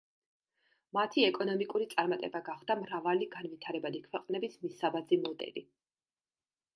მათი ეკონომიკური წარმატება გახდა მრავალი განვითარებადი ქვეყნების მისაბაძი მოდელი.